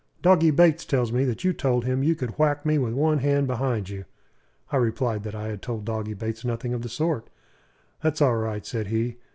"Doggy Bates tells me that you told him you could whack me with one hand behind you." I replied that I had told Doggy Bates nothing of the sort. "That's all right," said he.